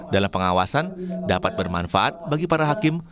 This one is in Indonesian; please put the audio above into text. dalam pengawasan dapat bermanfaat bagi para hakim